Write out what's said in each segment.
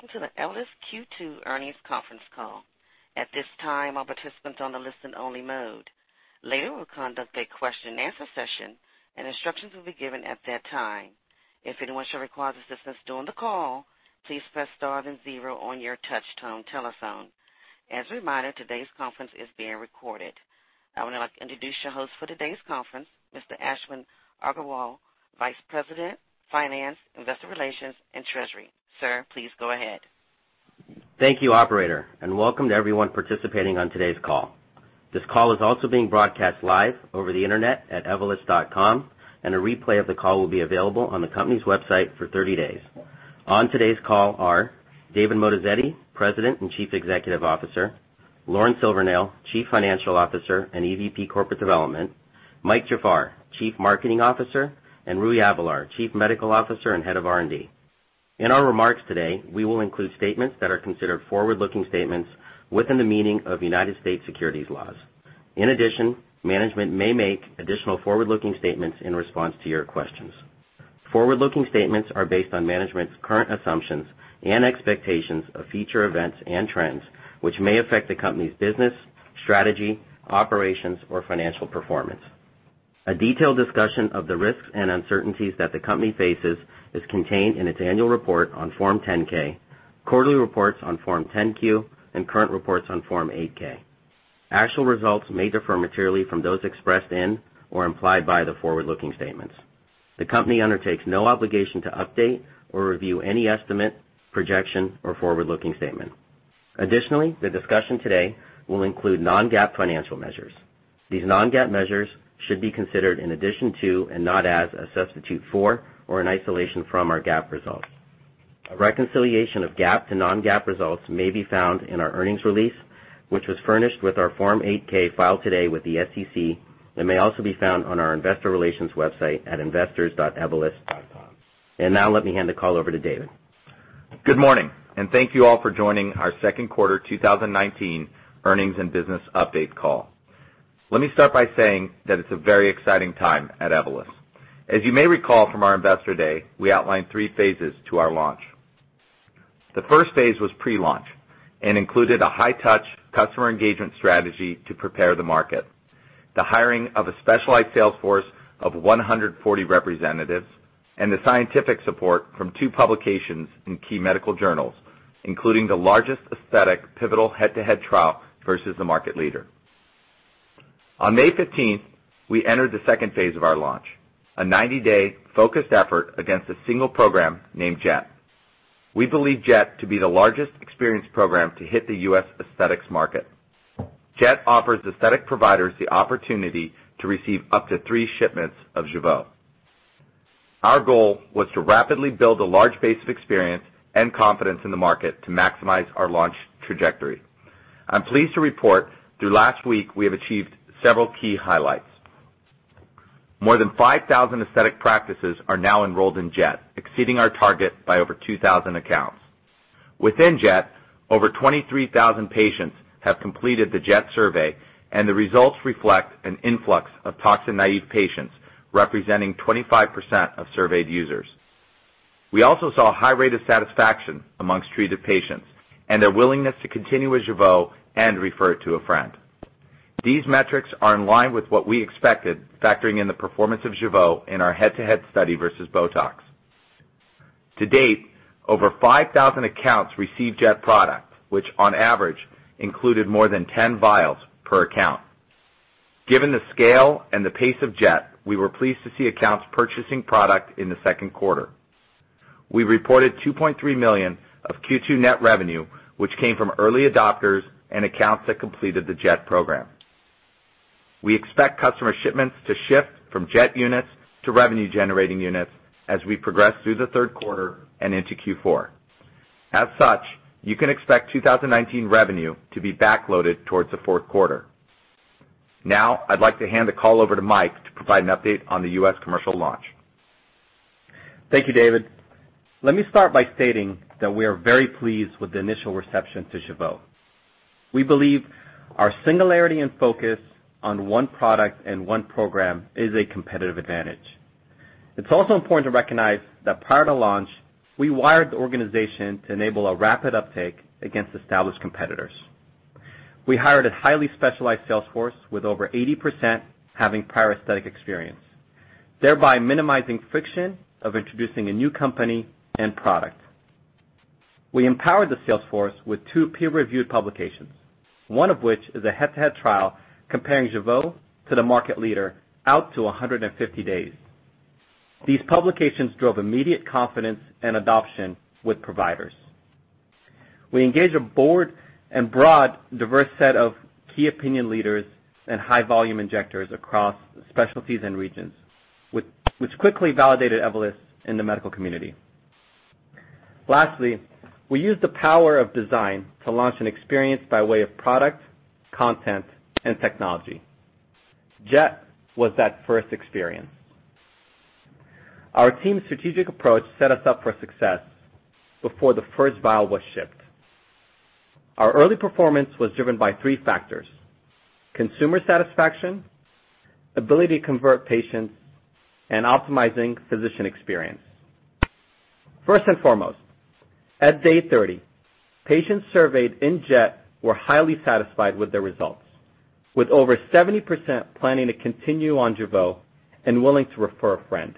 Welcome to the Evolus Q2 Earnings Conference Call. At this time, all participants on the listen only mode. Later, we'll conduct a question-and-answer session, and instructions will be given at that time. If anyone should require assistance during the call, please press star then zero on your touch-tone telephone. As a reminder, today's conference is being recorded. I would now like to introduce your host for today's conference, Mr. Ashwin Agarwal, Vice President, Finance, Investor Relations, and Treasury. Sir, please go ahead. Thank you, operator, and welcome to everyone participating on today's call. This call is also being broadcast live over the internet at evolus.com, and a replay of the call will be available on the company's website for 30 days. On today's call are David Moatazedi, President and Chief Executive Officer, Lauren Silvernail, Chief Financial Officer and Executive Vice President, Corporate Development, Michael Jafar, Chief Marketing Officer, and Rui Avelar, Chief Medical Officer and Head of R&D. In our remarks today, we will include statements that are considered forward-looking statements within the meaning of United States securities laws. In addition, management may make additional forward-looking statements in response to your questions. Forward-looking statements are based on management's current assumptions and expectations of future events and trends which may affect the company's business, strategy, operations or financial performance. A detailed discussion of the risks and uncertainties that the company faces is contained in its annual report on Form 10-K, quarterly reports on Form 10-Q, and current reports on Form 8-K. Actual results may differ materially from those expressed in or implied by the forward-looking statements. The company undertakes no obligation to update or review any estimate, projection, or forward-looking statement. The discussion today will include non-GAAP financial measures. These non-GAAP measures should be considered in addition to and not as a substitute for, or in isolation from, our GAAP results. A reconciliation of GAAP to non-GAAP results may be found in our earnings release, which was furnished with our Form 8-K filed today with the SEC and may also be found on our investor relations website at investors.evolus.com. Now let me hand the call over to David. Good morning. Thank you all for joining our second quarter 2019 earnings and business update call. Let me start by saying that it's a very exciting time at Evolus. As you may recall from our investor day, we outlined three phases to our launch. The first phase was pre-launch and included a high-touch customer engagement strategy to prepare the market, the hiring of a specialized sales force of 140 representatives, and the scientific support from two publications in key medical journals, including the largest aesthetic pivotal head-to-head trial versus the market leader. On May 15th, we entered the second phase of our launch, a 90-day focused effort against a single program named Jet. We believe Jet to be the largest experience program to hit the U.S. aesthetics market. Jet offers aesthetic providers the opportunity to receive up to three shipments of Jeuveau. Our goal was to rapidly build a large base of experience and confidence in the market to maximize our launch trajectory. I'm pleased to report through last week we have achieved several key highlights. More than 5,000 aesthetic practices are now enrolled in Jet, exceeding our target by over 2,000 accounts. Within Jet, over 23,000 patients have completed the Jet survey, and the results reflect an influx of toxin-naive patients representing 25% of surveyed users. We also saw a high rate of satisfaction amongst treated patients and their willingness to continue with Jeuveau and refer it to a friend. These metrics are in line with what we expected, factoring in the performance of Jeuveau in our head-to-head study versus BOTOX. To date, over 5,000 accounts received Jet product, which on average included more than 10 vials per account. Given the scale and the pace of Jet, we were pleased to see accounts purchasing product in the second quarter. We reported $2.3 million of Q2 net revenue, which came from early adopters and accounts that completed the Jet program. We expect customer shipments to shift from Jet units to revenue-generating units as we progress through the third quarter and into Q4. As such, you can expect 2019 revenue to be back-loaded towards the fourth quarter. Now I'd like to hand the call over to Mike to provide an update on the U.S. commercial launch. Thank you, David. Let me start by stating that we are very pleased with the initial reception to Jeuveau. We believe our singularity and focus on one product and one program is a competitive advantage. It's also important to recognize that prior to launch, we wired the organization to enable a rapid uptake against established competitors. We hired a highly specialized sales force with over 80% having prior aesthetic experience, thereby minimizing friction of introducing a new company and product. We empowered the sales force with two peer-reviewed publications, one of which is a head-to-head trial comparing Jeuveau to the market leader out to 150 days. These publications drove immediate confidence and adoption with providers. We engaged a board and broad, diverse set of key opinion leaders and high-volume injectors across specialties and regions, which quickly validated Evolus in the medical community. Lastly, we used the power of design to launch an experience by way of product, content, and technology. Jet was that first experience. Our team's strategic approach set us up for success before the first vial was shipped. Our early performance was driven by three factors: consumer satisfaction, ability to convert patients, and optimizing physician experience. First and foremost, at day 30, patients surveyed in Jet were highly satisfied with their results, with over 70% planning to continue on Jeuveau and willing to refer a friend.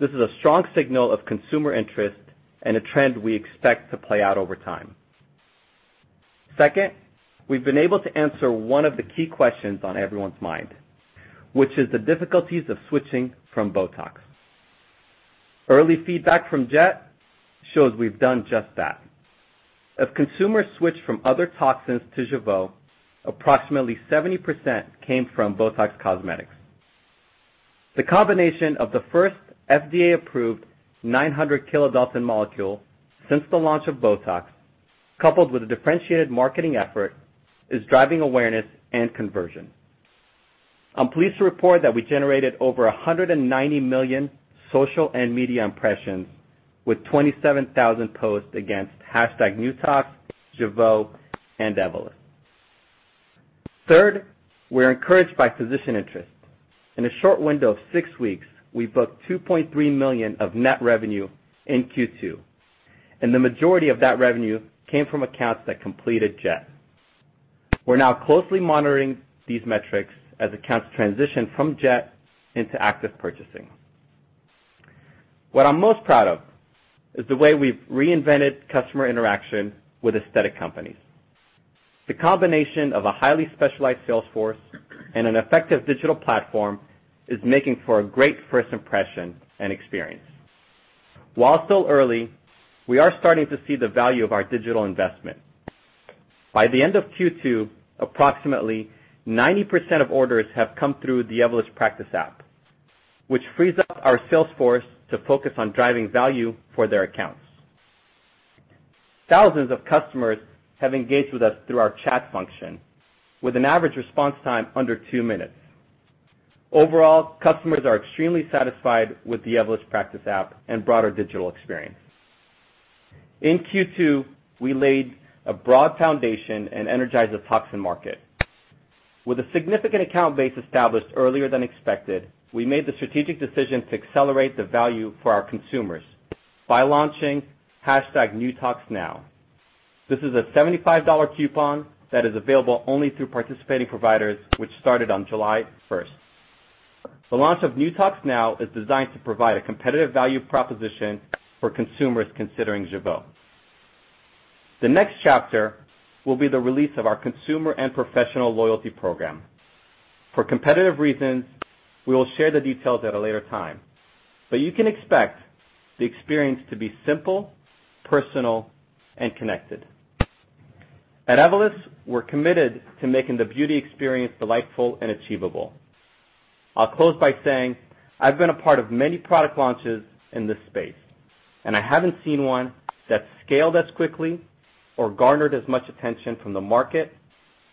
This is a strong signal of consumer interest and a trend we expect to play out over time. Second, we've been able to answer one of the key questions on everyone's mind, which is the difficulties of switching from BOTOX. Early feedback from Jet shows we've done just that. Of consumers switched from other toxins to Jeuveau, approximately 70% came from BOTOX Cosmetic. The combination of the first FDA-approved 900 kDa molecule since the launch of BOTOX, coupled with a differentiated marketing effort, is driving awareness and conversion. I'm pleased to report that we generated over 190 million social and media impressions with 27,000 posts against #NewTox, Jeuveau, and Evolus. Third, we're encouraged by physician interest. In a short window of six weeks, we booked $2.3 million of net revenue in Q2, and the majority of that revenue came from accounts that completed Jet. We're now closely monitoring these metrics as accounts transition from Jet into active purchasing. What I'm most proud of is the way we've reinvented customer interaction with aesthetic companies. The combination of a highly specialized sales force and an effective digital platform is making for a great first impression and experience. While still early, we are starting to see the value of our digital investment. By the end of Q2, approximately 90% of orders have come through the Evolus Practice app, which frees up our sales force to focus on driving value for their accounts. Thousands of customers have engaged with us through our chat function with an average response time under two minutes. Overall, customers are extremely satisfied with the Evolus Practice app and broader digital experience. In Q2, we laid a broad foundation and energized the toxin market. With a significant account base established earlier than expected, we made the strategic decision to accelerate the value for our consumers by launching #NewToxNow. This is a $75 coupon that is available only through participating providers, which started on July 1st. The launch of #NewToxNow is designed to provide a competitive value proposition for consumers considering Jeuveau. The next chapter will be the release of our consumer and professional loyalty program. For competitive reasons, we will share the details at a later time, but you can expect the experience to be simple, personal, and connected. At Evolus, we're committed to making the beauty experience delightful and achievable. I'll close by saying I've been a part of many product launches in this space, and I haven't seen one that scaled as quickly or garnered as much attention from the market,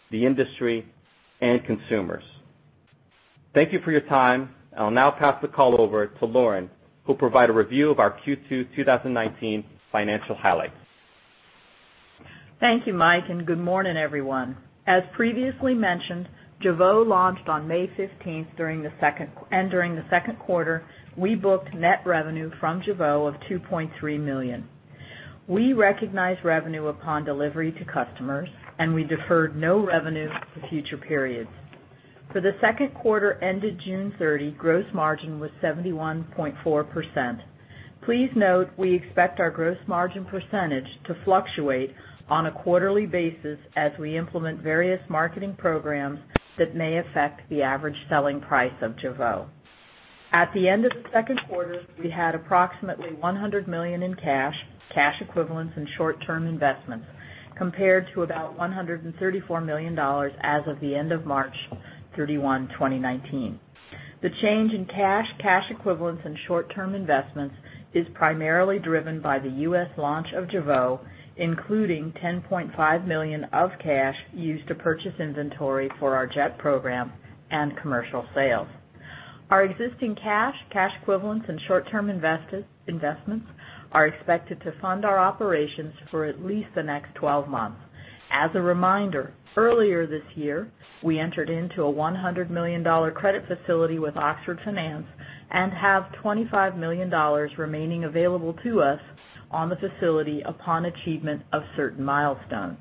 the industry, and consumers. Thank you for your time. I'll now pass the call over to Lauren, who'll provide a review of our Q2 2019 financial highlights. Thank you, Mike. Good morning, everyone. As previously mentioned, Jeuveau launched on May 15th, and during the second quarter, we booked net revenue from Jeuveau of $2.3 million. We recognized revenue upon delivery to customers, and we deferred no revenue to future periods. For the second quarter ended June 30, gross margin was 71.4%. Please note we expect our gross margin percentage to fluctuate on a quarterly basis as we implement various marketing programs that may affect the average selling price of Jeuveau. At the end of the second quarter, we had approximately $100 million in cash equivalents, and short-term investments compared to about $134 million as of the end of March 31, 2019. The change in cash equivalents, and short-term investments is primarily driven by the U.S. launch of Jeuveau, including $10.5 million of cash used to purchase inventory for our Jet program and commercial sales. Our existing cash equivalents, and short-term investments are expected to fund our operations for at least the next 12 months. As a reminder, earlier this year, we entered into a $100 million credit facility with Oxford Finance and have $25 million remaining available to us on the facility upon achievement of certain milestones.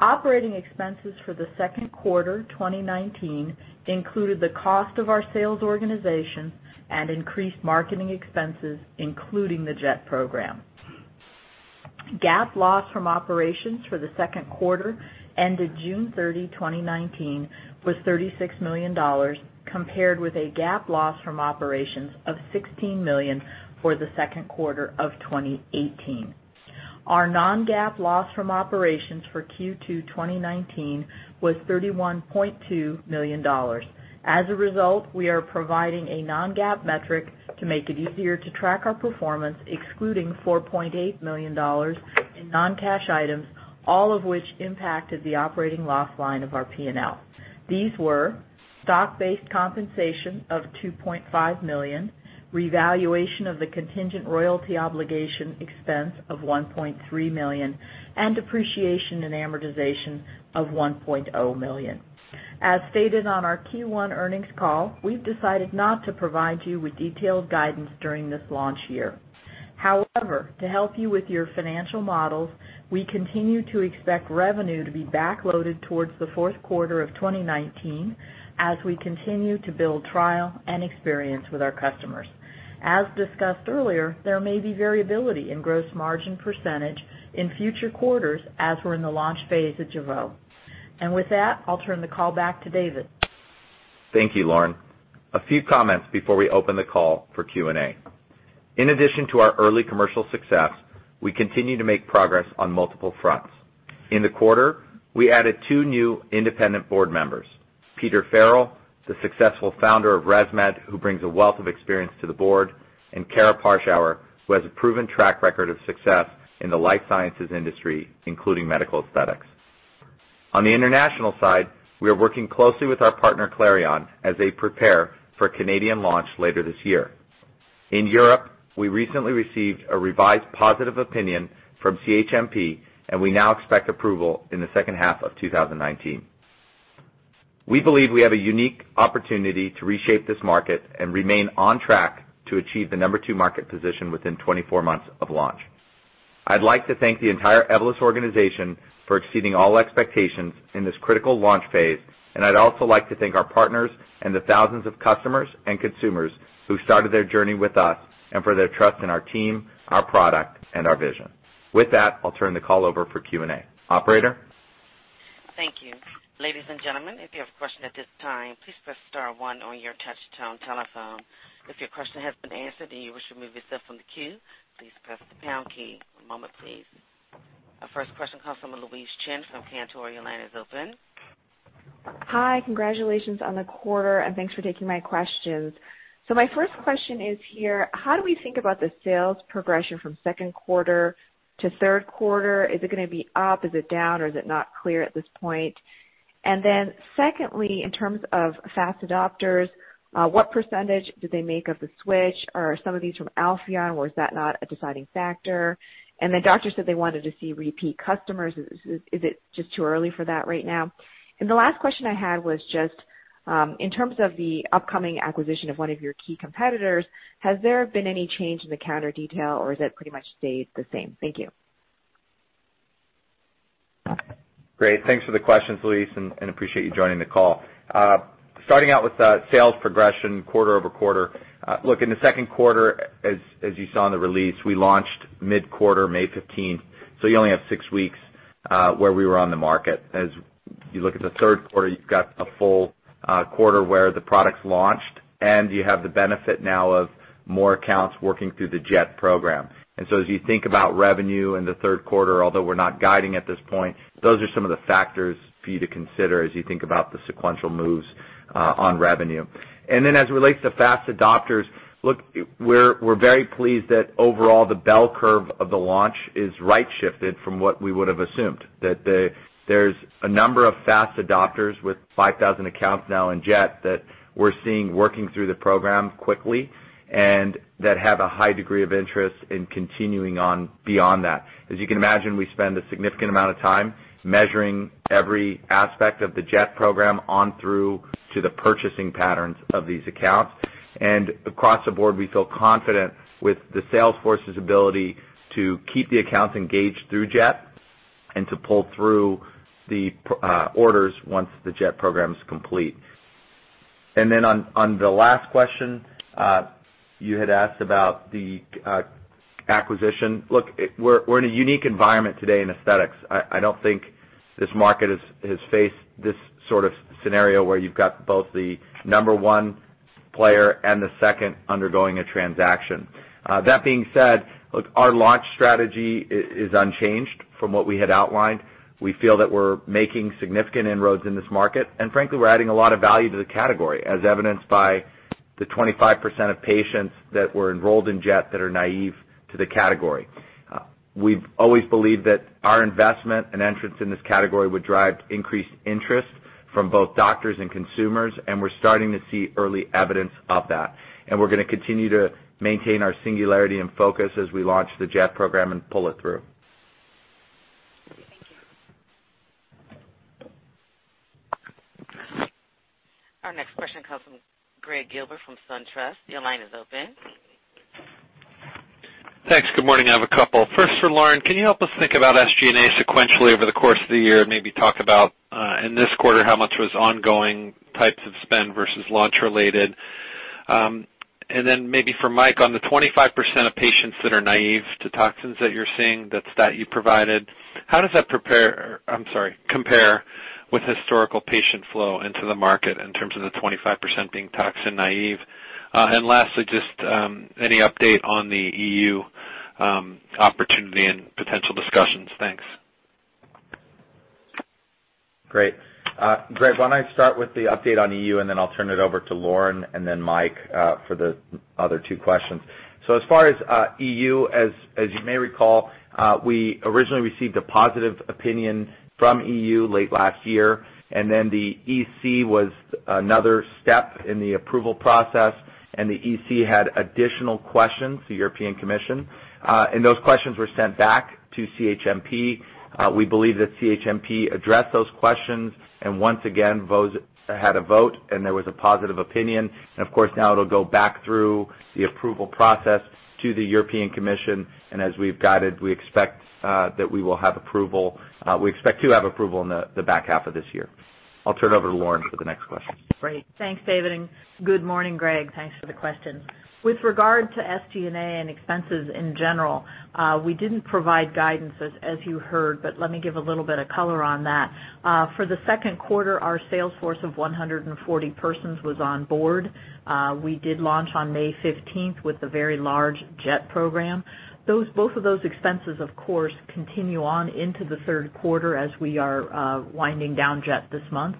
Operating expenses for the second quarter 2019 included the cost of our sales organization and increased marketing expenses, including the Jet program. GAAP loss from operations for the second quarter ended June 30, 2019, was $36 million, compared with a GAAP loss from operations of $16 million for the second quarter of 2018. Our non-GAAP loss from operations for Q2 2019 was $31.2 million. As a result, we are providing a non-GAAP metric to make it easier to track our performance, excluding $4.8 million in non-cash items, all of which impacted the operating loss line of our P&L. These were stock-based compensation of $2.5 million, revaluation of the contingent royalty obligation expense of $1.3 million, and depreciation and amortization of $1.0 million. As stated on our Q1 earnings call, we've decided not to provide you with detailed guidance during this launch year. To help you with your financial models, we continue to expect revenue to be back-loaded towards the fourth quarter of 2019 as we continue to build trial and experience with our customers. As discussed earlier, there may be variability in gross margin percentage in future quarters as we're in the launch phase at Jeuveau. With that, I'll turn the call back to David. Thank you, Lauren. A few comments before we open the call for Q&A. In addition to our early commercial success, we continue to make progress on multiple fronts. In the quarter, we added two new independent board members, Peter Farrell, the successful founder of ResMed, who brings a wealth of experience to the board, and Karah Parschauer, who has a proven track record of success in the life sciences industry, including medical aesthetics. On the international side, we are working closely with our partner, Clarion, as they prepare for Canadian launch later this year. In Europe, we recently received a revised positive opinion from CHMP, and we now expect approval in the second half of 2019. We believe we have a unique opportunity to reshape this market and remain on track to achieve the number two market position within 24 months of launch. I'd like to thank the entire Evolus organization for exceeding all expectations in this critical launch phase, and I'd also like to thank our partners and the thousands of customers and consumers who started their journey with us and for their trust in our team, our product, and our vision. With that, I'll turn the call over for Q&A. Operator? Thank you. Ladies and gentlemen, if you have a question at this time, please press star one on your touch-tone telephone. If your question has been answered and you wish to remove yourself from the queue, please press the pound key. One moment, please. Our first question comes from Louise Chen from Cantor. Your line is open. Hi. Congratulations on the quarter, and thanks for taking my questions. My first question is here, how do we think about the sales progression from second quarter to third quarter? Is it going to be up? Is it down? Is it not clear at this point? Secondly, in terms of fast adopters, what percentage do they make of the switch? Are some of these from Alphaeon or is that not a deciding factor? The doctors said they wanted to see repeat customers. Is it just too early for that right now? The last question I had was just, in terms of the upcoming acquisition of one of your key competitors, has there been any change in the counter detail or has that pretty much stayed the same? Thank you. Great. Thanks for the questions, Louise, and appreciate you joining the call. Starting out with the sales progression quarter-over-quarter. Look, in the second quarter, as you saw in the release, we launched mid-quarter, May 15th, so you only have six weeks where we were on the market. As you look at the third quarter, you've got a full quarter where the product's launched, and you have the benefit now of more accounts working through the Jet program. As you think about revenue in the third quarter, although we're not guiding at this point, those are some of the factors for you to consider as you think about the sequential moves on revenue. As it relates to fast adopters, look, we're very pleased that overall the bell curve of the launch is right shifted from what we would have assumed, that there's a number of fast adopters with 5,000 accounts now in Jet that we're seeing working through the program quickly and that have a high degree of interest in continuing on beyond that. As you can imagine, we spend a significant amount of time measuring every aspect of the Jet program on through to the purchasing patterns of these accounts. Across the board, we feel confident with the sales force's ability to keep the accounts engaged through Jet and to pull through the orders once the Jet program is complete. On the last question, you had asked about the acquisition. Look, we're in a unique environment today in aesthetics. I don't think this market has faced this sort of scenario where you've got both the number one player and the second undergoing a transaction. That being said, look, our launch strategy is unchanged from what we had outlined. We feel that we're making significant inroads in this market, and frankly, we're adding a lot of value to the category, as evidenced by the 25% of patients that were enrolled in Jet that are naive to the category. We've always believed that our investment and entrance in this category would drive increased interest from both doctors and consumers, and we're starting to see early evidence of that. We're going to continue to maintain our singularity and focus as we launch the Jet program and pull it through. Thank you. Our next question comes from Gregg Gilbert from SunTrust. Your line is open. Thanks. Good morning. I have a couple. First for Lauren, can you help us think about SG&A sequentially over the course of the year? Maybe talk about, in this quarter, how much was ongoing types of spend versus launch related. Maybe for Mike, on the 25% of patients that are naive to toxins that you're seeing, that stat you provided, how does that compare with historical patient flow into the market in terms of the 25% being toxin naive? Lastly, just any update on the EU opportunity and potential discussions. Thanks. Great. Gregg, why don't I start with the update on EU, and then I'll turn it over to Lauren and then Mike for the other two questions. As far as EU, as you may recall, we originally received a positive opinion from EU late last year, and then the EC was another step in the approval process, and the EC had additional questions, the European Commission. Those questions were sent back to CHMP. We believe that CHMP addressed those questions, and once again, had a vote, and there was a positive opinion. Of course, now it'll go back through the approval process to the European Commission, and as we've guided, we expect to have approval in the back half of this year. I'll turn it over to Lauren for the next question. Great. Thanks, David, and good morning, Gregg. Thanks for the question. With regard to SG&A and expenses in general, we didn't provide guidance, as you heard, but let me give a little bit of color on that. For the second quarter, our sales force of 140 persons was on board. We did launch on May 15th with a very large Jet program. Both of those expenses, of course, continue on into the third quarter as we are winding down Jet this month.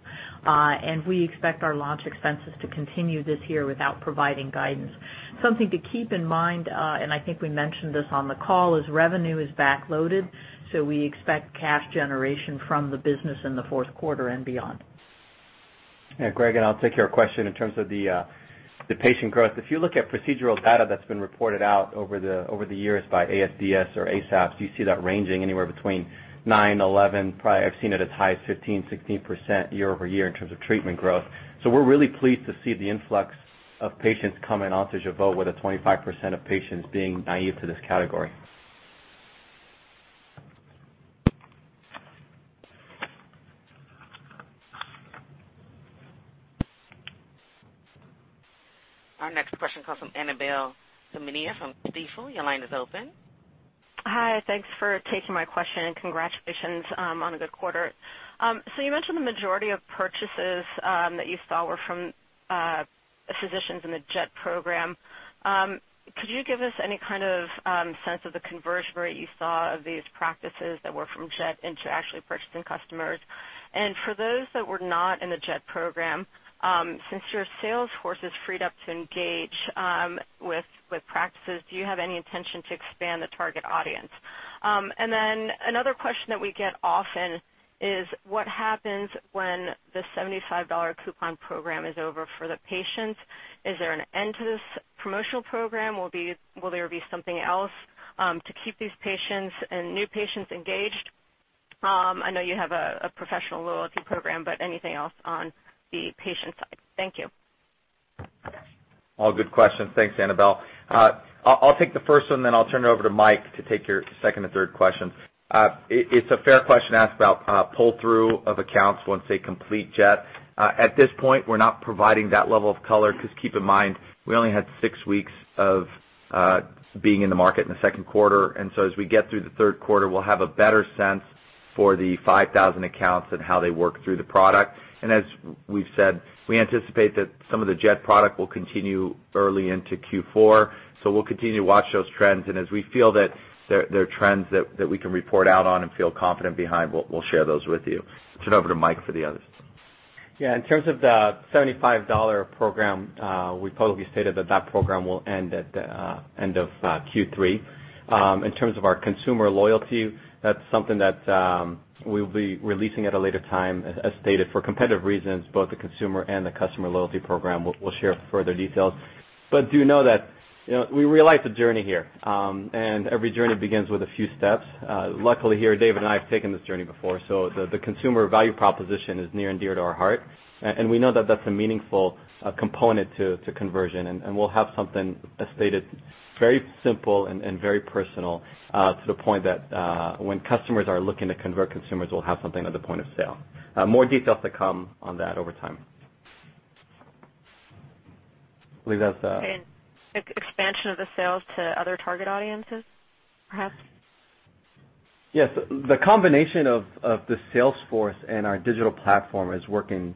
We expect our launch expenses to continue this year without providing guidance. Something to keep in mind, and I think we mentioned this on the call, is revenue is back-loaded, so we expect cash generation from the business in the fourth quarter and beyond. Yeah, Gregg, I'll take your question in terms of the patient growth. If you look at procedural data that's been reported out over the years by ASDS or ASAPS, you see that ranging anywhere between nine, 11, probably I've seen it as high as 15%, 16% year-over-year in terms of treatment growth. We're really pleased to see the influx of patients coming onto Jeuveau with a 25% of patients being naive to this category. Our next question comes from Annabel Samimy from Stifel. Your line is open. Hi. Thanks for taking my question. Congratulations on a good quarter. You mentioned the majority of purchases that you saw were from physicians in the Jet program. Could you give us any kind of sense of the conversion rate you saw of these practices that were from Jet into actually purchasing customers? For those that were not in the Jet program, since your sales force is freed up to engage with practices, do you have any intention to expand the target audience? Another question that we get often is what happens when the $75 coupon program is over for the patients? Is there an end to this promotional program? Will there be something else to keep these patients and new patients engaged? I know you have a professional loyalty program, anything else on the patient side? Thank you. All good questions. Thanks, Annabel. I'll take the first one, then I'll turn it over to Mike to take your second and third questions. It's a fair question asked about pull-through of accounts once they complete Jet. At this point, we're not providing that level of color because keep in mind, we only had six weeks of being in the market in the second quarter, and so as we get through the third quarter, we'll have a better sense for the 5,000 accounts and how they work through the product. As we've said, we anticipate that some of the Jet product will continue early into Q4. We'll continue to watch those trends, and as we feel that there are trends that we can report out on and feel confident behind, we'll share those with you. Turn it over to Mike for the others. Yeah, in terms of the $75 program, we publicly stated that that program will end at the end of Q3. In terms of our consumer loyalty, that's something that we'll be releasing at a later time. As stated, for competitive reasons, both the consumer and the customer loyalty program, we'll share further details. Do know that we realize the journey here, and every journey begins with a few steps. Luckily here, David and I have taken this journey before, so the consumer value proposition is near and dear to our heart. We know that that's a meaningful component to conversion, and we'll have something, as stated, very simple and very personal to the point that when customers are looking to convert consumers we'll have something at the point of sale. More details to come on that over time. Expansion of the sales to other target audiences, perhaps? Yes. The combination of the sales force and our digital platform is working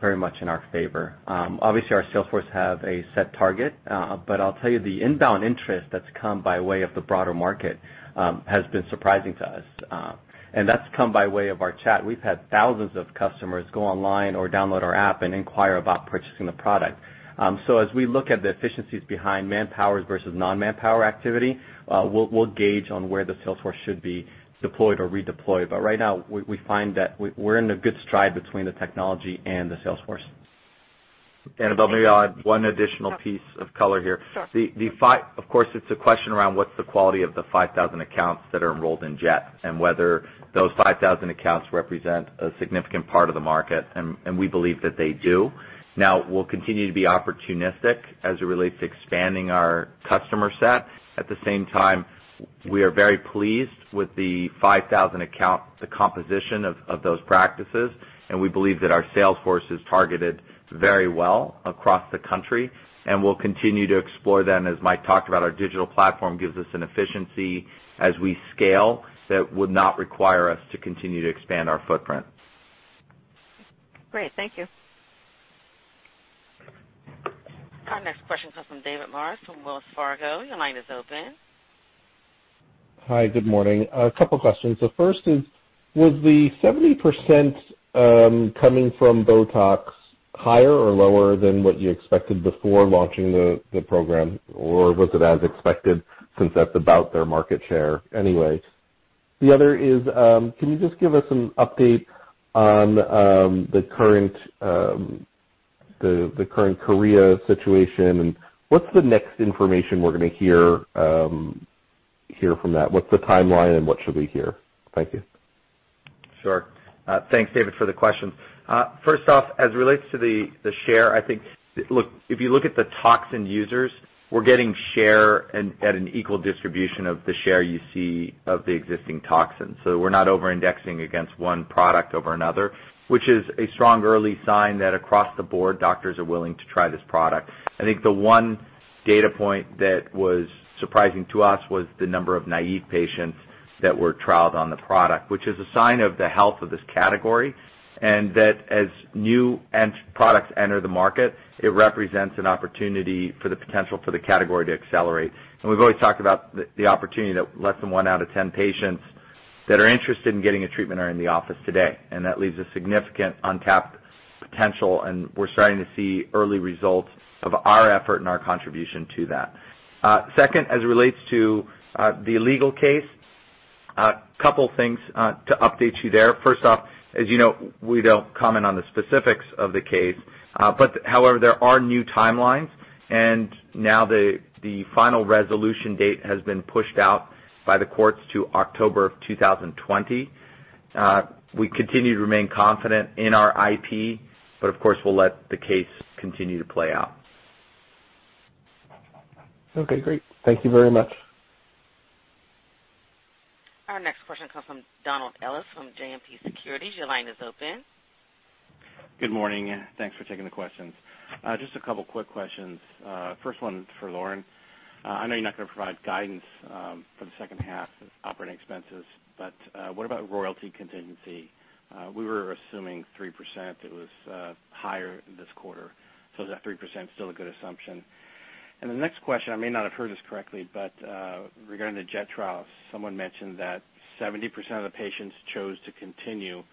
very much in our favor. Obviously, our sales force have a set target. I'll tell you, the inbound interest that's come by way of the broader market has been surprising to us. That's come by way of our chat. We've had thousands of customers go online or download our app and inquire about purchasing the product. As we look at the efficiencies behind manpower versus non-manpower activity, we'll gauge on where the sales force should be deployed or redeployed. Right now, we find that we're in a good stride between the technology and the sales force. Annabel, maybe I'll add one additional piece of color here. Sure. Of course, it's a question around what's the quality of the 5,000 accounts that are enrolled in Jet and whether those 5,000 accounts represent a significant part of the market, and we believe that they do. Now, we'll continue to be opportunistic as it relates to expanding our customer set. At the same time, we are very pleased with the 5,000 account, the composition of those practices, and we believe that our sales force is targeted very well across the country, and we'll continue to explore that. As Mike talked about, our digital platform gives us an efficiency as we scale that would not require us to continue to expand our footprint. Great. Thank you. Next question comes from David Maris from Wells Fargo. Your line is open. Hi, good morning. A couple questions. First is, was the 70% coming from BOTOX higher or lower than what you expected before launching the program, or was it as expected since that's about their market share anyway? The other is, can you just give us an update on the current Korea situation, and what's the next information we're going to hear from that? What's the timeline, and what should we hear? Thank you. Sure. Thanks, David, for the question. First off, as relates to the share, I think if you look at the toxin users, we're getting share at an equal distribution of the share you see of the existing toxins. We're not over-indexing against one product over another, which is a strong early sign that across the board, doctors are willing to try this product. I think the one data point that was surprising to us was the number of naive patients that were trialed on the product. Which is a sign of the health of this category, and that as new end products enter the market, it represents an opportunity for the potential for the category to accelerate. We've always talked about the opportunity that less than one out of 10 patients that are interested in getting a treatment are in the office today, and that leaves a significant untapped potential, and we're starting to see early results of our effort and our contribution to that. Second, as it relates to the legal case, couple things to update you there. First off, as you know, we don't comment on the specifics of the case. However, there are new timelines, and now the final resolution date has been pushed out by the courts to October of 2020. We continue to remain confident in our IP, but of course, we'll let the case continue to play out. Okay, great. Thank you very much. Our next question comes from Donald Ellis from JMP Securities. Your line is open. Good morning, thanks for taking the questions. Just a couple quick questions. First one is for Lauren. I know you're not going to provide guidance for the second half operating expenses, but what about royalty contingency? We were assuming 3%. It was higher this quarter. Is that 3% still a good assumption? The next question, I may not have heard this correctly, but regarding the Jet trials, someone mentioned that 70% of the patients chose to continue,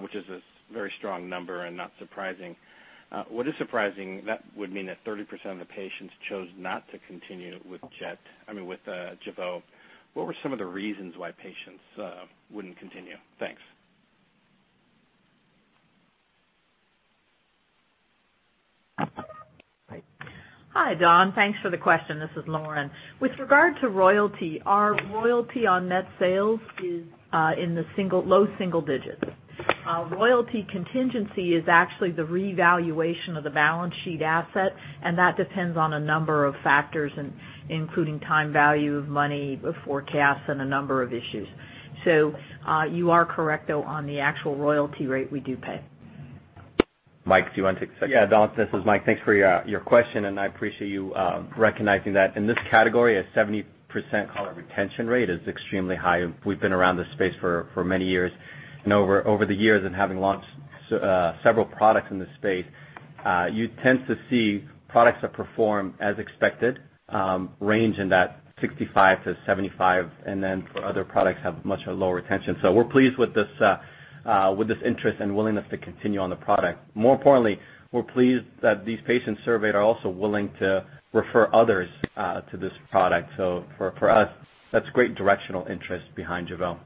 which is a very strong number and not surprising. What is surprising, that would mean that 30% of the patients chose not to continue with Jeuveau. What were some of the reasons why patients wouldn't continue? Thanks. Hi, Don. Thanks for the question. This is Lauren. With regard to royalty, our royalty on net sales is in the low single digits. Royalty contingency is actually the revaluation of the balance sheet asset, and that depends on a number of factors, including time value of money, forecasts, and a number of issues. You are correct, though, on the actual royalty rate we do pay. Mike, do you want to take a second? Yeah, Don, this is Mike. Thanks for your question. I appreciate you recognizing that in this category, a 70% caller retention rate is extremely high. We've been around this space for many years. Over the years in having launched several products in this space, you tend to see products that perform as expected range in that 65%-75%. For other products have much lower retention. We're pleased with this interest and willingness to continue on the product. More importantly, we're pleased that these patients surveyed are also willing to refer others to this product. For us, that's great directional interest behind Jeuveau.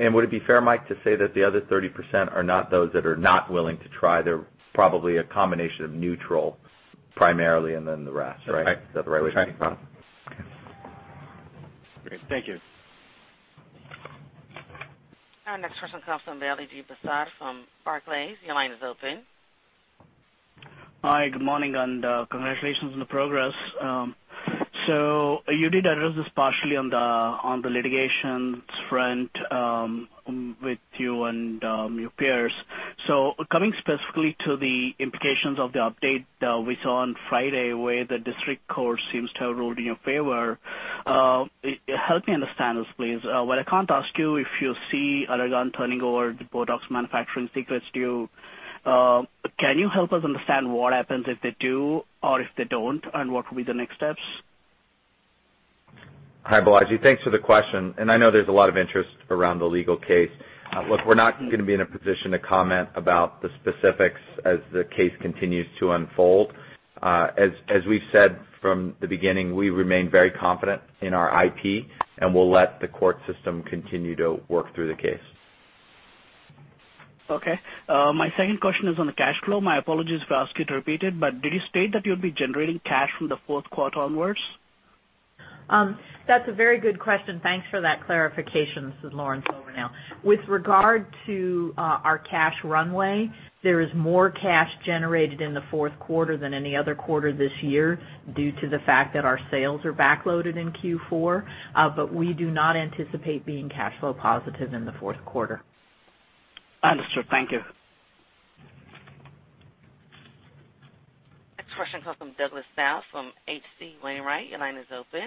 Would it be fair, Mike, to say that the other 30% are not those that are not willing to try, they're probably a combination of neutral primarily and then the rest, right? That's right. Is that the right way to think about it? That's right. Great. Thank you. Our next question comes from Balaji Prasad from Barclays. Your line is open. Hi, good morning, and congratulations on the progress. You did address this partially on the litigations front with you and your peers. Coming specifically to the implications of the update we saw on Friday, where the district court seems to have ruled in your favor, help me understand this, please. While I can't ask you if you see Allergan turning over the BOTOX manufacturing secrets to you, can you help us understand what happens if they do or if they don't, and what will be the next steps? Hi, Balaji. Thanks for the question. I know there's a lot of interest around the legal case. Look, we're not going to be in a position to comment about the specifics as the case continues to unfold. As we've said from the beginning, we remain very confident in our IP, and we'll let the court system continue to work through the case. Okay. My second question is on the cash flow. My apologies if I ask it repeated, but did you state that you'll be generating cash from the fourth quarter onwards? That's a very good question. Thanks for that clarification. This is Lauren Silvernail now. With regard to our cash runway, there is more cash generated in the fourth quarter than any other quarter this year due to the fact that our sales are backloaded in Q4. We do not anticipate being cash flow positive in the fourth quarter. Understood. Thank you. Next question comes from Douglas Tsao from H.C. Wainwright & Co. Your line is open